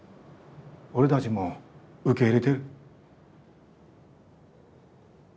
俺だぢも受け入れてる。